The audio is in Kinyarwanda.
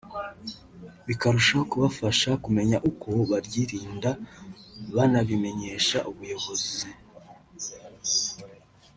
bikarushaho kubafasha kumenya uko baryirinda banabimenyesha ubuyobozi